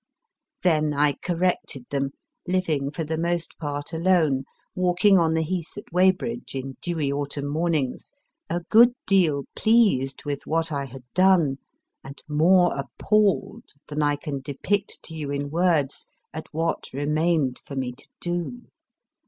Then I corrected them, living for the most part alone, walking on the heath at Weybridge in dewy autumn mornings, a good deal pleased with what I had done, and more appalled than I can depict to you in words at what remained for me to do.